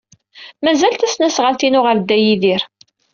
Mazal tasnasɣalt-inu ɣer Dda Yidir.